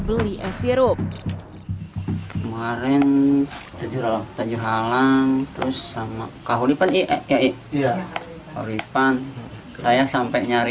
beli es sirup kemarin terjualan terus sama kahulipan iya iya kori pan saya sampai nyari